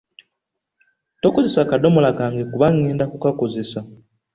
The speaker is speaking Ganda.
Tokozesa kadomola kange kuba ngenda kukakozesa.